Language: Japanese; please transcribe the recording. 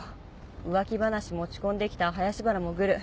浮気話持ち込んできた林原もグル。